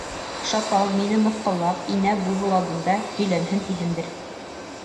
Шакал, мине мыҫҡыллап, инә буйвол алдында һөйләнһен тиһендер.